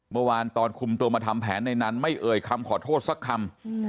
เมื่อวานตอนคุมตัวมาทำแผนในนั้นไม่เอ่ยคำขอโทษสักคำ